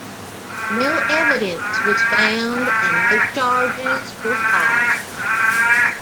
No evidence was found and no charges were filed.